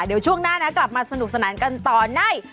เดี๋ยวช่วงหน้านะกลับมาสนุกสนานกันต่อใน